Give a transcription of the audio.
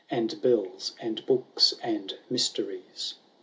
And bells, and books, and mysteries."